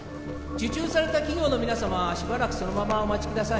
受注された企業の皆様はしばらくそのままお待ちください